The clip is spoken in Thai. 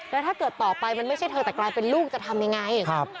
แล้วถ้าเกิดต่อไปมันไม่ใช่เธอแต่กลายเป็นลูกจะทำยังไง